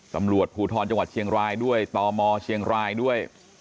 ตำรวจภูทรจังหวัดเชียงรายด้วยตมเชียงรายด้วย